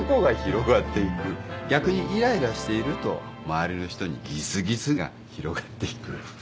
逆にイライラしていると周りの人にギスギスが広がっていく。